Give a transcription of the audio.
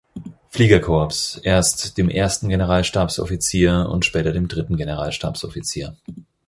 Fliegerkorps erst dem Ersten Generalstabsoffizier und später dem Dritten Generalstabsoffizier.